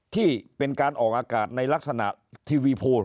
ที่เป็นการออกอากาศในลักษณะทีวีโพล